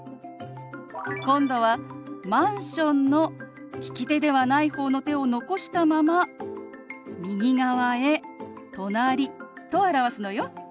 今度は「マンション」の利き手ではない方の手を残したまま右側へ「隣」と表すのよ。